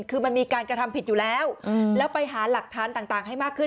คือมันมีการกระทำผิดอยู่แล้วแล้วไปหาหลักฐานต่างให้มากขึ้น